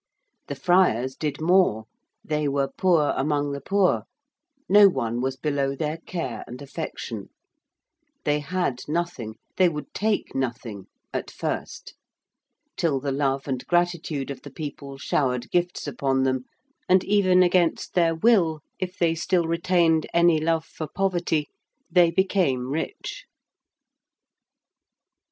The friars did more: they were poor among the poor: no one was below their care and affection: they had nothing they would take nothing at first: till the love and gratitude of the people showered gifts upon them and even against their will, if they still retained any love for poverty, they became rich.